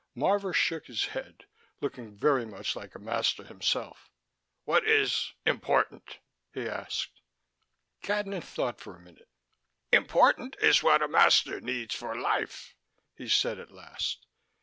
Marvor shook his head, looking very much like a master himself. "What is important?" he said. Cadnan thought for a minute. "Important is what a master needs for life," he said at last.